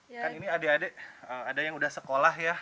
kan ini adik adik ada yang udah sekolah ya